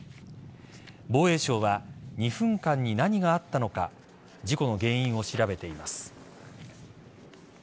防衛省は２分間に何があったのか事故の原因を調べています。